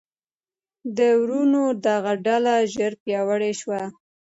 د وروڼو دغه ډله ژر پیاوړې شوه.